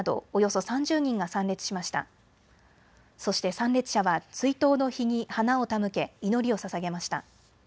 そして参列者は追悼の碑に花を手向け、祈りをささげました。